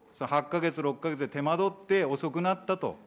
８か月、６か月で手間取って、遅くなったと。